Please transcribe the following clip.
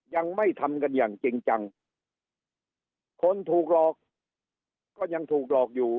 ยังไม่ทำกันอย่างจริงจังคนถูกหลอกก็ยังถูกหลอกอยู่